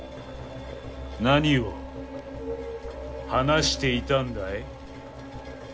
何を話していたんだい？